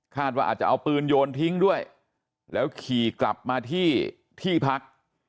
ว่าอาจจะเอาปืนโยนทิ้งด้วยแล้วขี่กลับมาที่ที่พัก